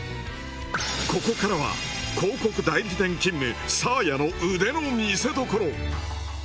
ここからは広告代理店勤務サーヤの腕の見せどころ。